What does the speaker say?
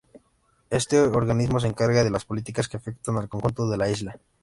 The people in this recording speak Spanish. Este organismo se encarga de las políticas que afectan al conjunto de la isla.